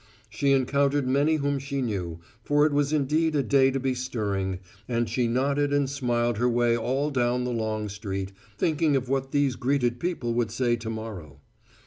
She encountered many whom she knew, for it was indeed a day to be stirring, and she nodded and smiled her way all down the long street, thinking of what these greeted people would say to morrow.